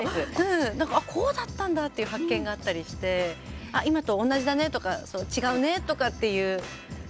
こうだったんだっていう発見があったりして今と同じだねとか違うねとかっていう。